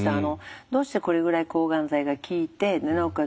どうしてこれぐらい抗がん剤が効いてなおかつ